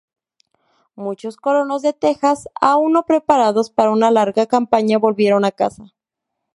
Muchos colonos de Texas, aún no preparados para una larga campaña, volvieron a casa.